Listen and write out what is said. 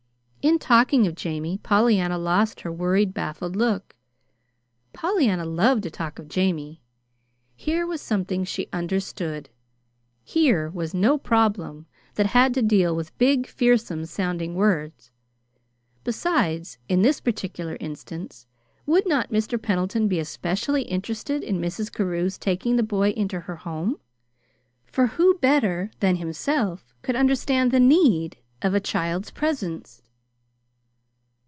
In talking of Jamie, Pollyanna lost her worried, baffled look. Pollyanna loved to talk of Jamie. Here was something she understood. Here was no problem that had to deal with big, fearsome sounding words. Besides, in this particular instance would not Mr. Pendleton be especially interested in Mrs. Carew's taking the boy into her home, for who better than himself could understand the need of a child's presence?